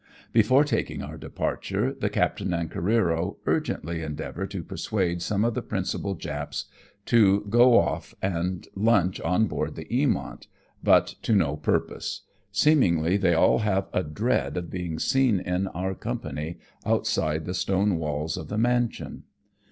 Before taking our departure, the captain and Careero urgently endeavour to persuade some of the principal Japs to go off and lunch on board the Uamont, but to no purpose. Seemingly, they all have a dread of being seen in our company outside the stone walls of the mansion.